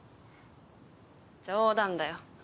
冗談だよ。